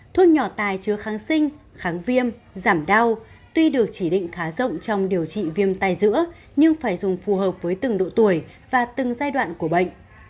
thuốc nhỏ tài chứa kháng sinh kháng viêm giảm đau tuy được chỉ định khá rộng trong điều trị viêm tài giữa nhưng phải dùng phù hợp với từng độ tuổi và từng giai đoạn của bệnh